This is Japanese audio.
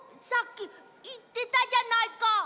さっきいってたじゃないか！